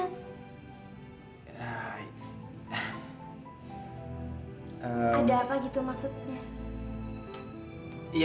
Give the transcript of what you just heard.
ada apa gitu maksudnya